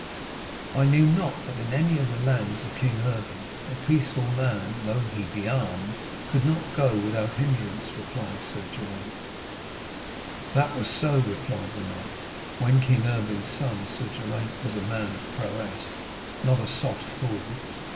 'I knew not that in any of the lands of King Erbin, a peaceful man, though he be armed, could not go without hindrance,' replied Sir Geraint. 'That was so,' replied the knight, 'when King Erbin's son Sir Geraint was a man of prowess, not a soft fool.